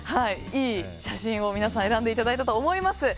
いい写真を皆さん選んでいただいたと思います。